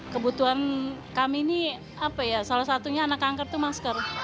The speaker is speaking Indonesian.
kebutuhan kami ini apa ya salah satunya anak kanker itu masker